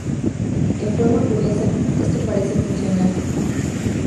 En forma curiosa, esto parece funcionar.